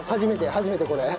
初めてこれ。